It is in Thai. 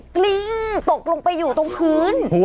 กลิ้งตกลงไปอยู่ตรงพื้น